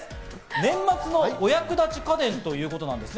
年末のお役立ち家電という事なんですね。